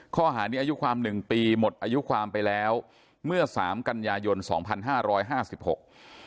ข้อหานี้อายุความหนึ่งปีหมดอายุความไปแล้วเมื่อสามกันยายนสองพันห้าร้อยห้าสิบหก